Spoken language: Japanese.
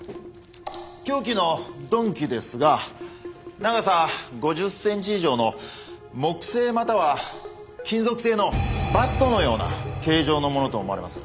凶器の鈍器ですが長さ５０センチ以上の木製または金属製のバットのような形状のものと思われます。